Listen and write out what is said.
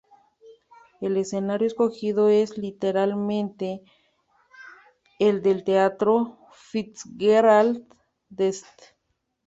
El escenario escogido es literalmente el del teatro Fitzgerald de St.